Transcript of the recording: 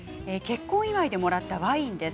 結婚祝いでもらったワインです。